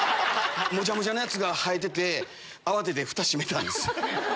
もじゃもじゃのやつが生えてて慌ててフタ閉めたんです。